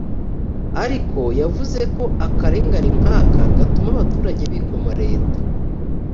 ariko yavuze ko akarengane nk’aka gatuma abaturage bikoma Leta